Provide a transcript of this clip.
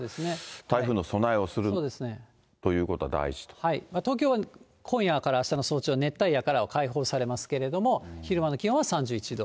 台風の備えをするということが大東京は今夜からあしたの早朝、熱帯夜からは解放されますけれども、昼間の気温は３１度。